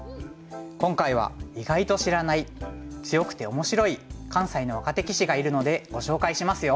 今回は意外と知らない強くて面白い関西の若手棋士がいるのでご紹介しますよ。